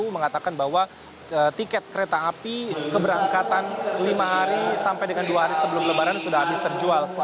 mengatakan bahwa tiket kereta api keberangkatan lima hari sampai dengan dua hari sebelum lebaran sudah habis terjual